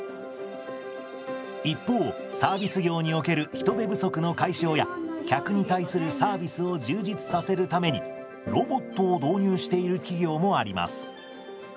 一方サービス業における人手不足の解消や客に対するサービスを充実させるためにロボットを導入している企業もあります。